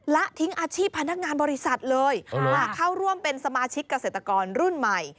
และทิ้งอาชีพพนักงานบริษัทเลยมาเข้าร่วมเป็นสมาชิกเกษตรกรรุ่นใหม่